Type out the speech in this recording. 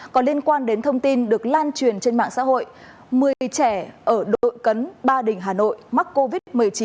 còn liên quan đến thông tin được lan truyền trên mạng xã hội một mươi trẻ ở đội cấn ba đình hà nội mắc covid một mươi chín